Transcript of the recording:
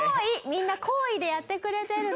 みんな厚意でやってくれてるの！